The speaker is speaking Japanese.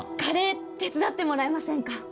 カレー手伝ってもらえませんか？